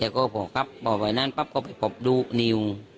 เดี๋ยวก็พอกลับไปนั่นปั๊บก็ไปพบดูนิว